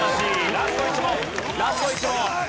ラスト１問ラスト１問。